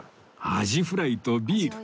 アジフライとビール